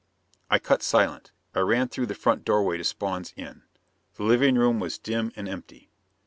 I cut silent. I ran through the front doorway of Spawn's inn. The living room was dim and empty.